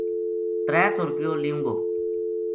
ترے سو رُپیو لیوں گو